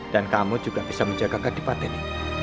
dan kamu juga bisa menjaga kadipaten ini